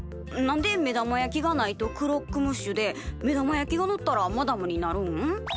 何で目玉焼きがないとクロックムッシュで目玉焼きがのったらマダムになるん？